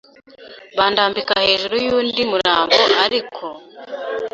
bandambika hejuru y’undi murambo ariko